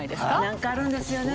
なんかあるんですよね。